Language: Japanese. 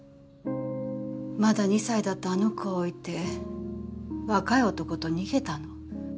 まだ２歳だったあの子を置いて若い男と逃げたの。